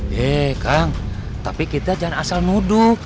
hei kang tapi kita jangan asal nuduh